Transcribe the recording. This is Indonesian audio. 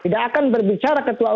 tidak akan berbicara ketika api